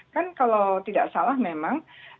kan kalau tidak salah memang